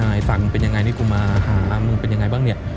อีกฝั่งมึงเป็นยังไงนี่กูมาหามึงเป็นยังไงบ้างเนี่ย